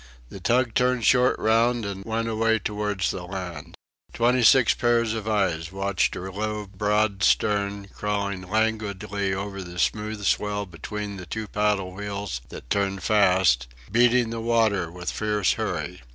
The tug turned short round and went away towards the land. Twenty six pairs of eyes watched her low broad stern crawling languidly over the smooth swell between the two paddle wheels that turned fast, beating the water with fierce hurry.